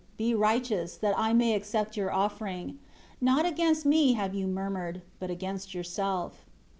Be righteous, that I may accept your offering. Not against Me have you murmured, but against yourself.